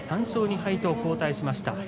３勝２敗と後退しました。